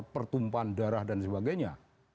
pertumpahan darah dan sebagainya